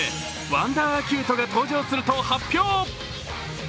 ワンダーアキュートが登場すると発表。